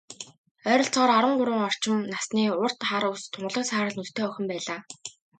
Ойролцоогоор арван гурав орчим насны, урт хар үс, тунгалаг саарал нүдтэй охин байлаа.